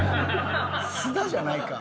菅田じゃないか。